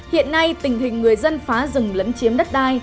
hiện nay tình hình người dân phá rừng lấn chiếm đất đai